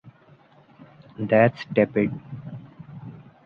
That’s tepid.